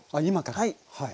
はい。